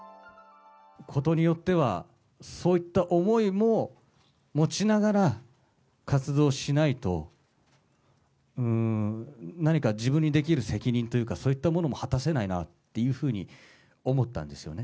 ことによっては、そういった思いも持ちながら活動しないと、何か自分にできる責任というか、そういったものも果たせないなっていうふうに思ったんですよね。